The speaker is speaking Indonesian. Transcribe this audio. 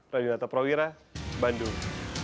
raditya nataprawira bandung